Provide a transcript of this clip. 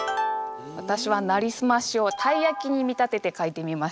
私は「なりすまし」をたいやきに見立てて書いてみました。